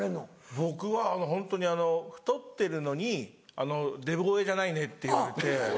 僕はホントに「太ってるのにデブ声じゃないね」って言われて。